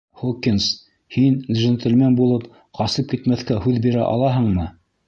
Хокинс, һин, джентльмен булып, ҡасып китмәҫкә һүҙ бирә алаһыңмы?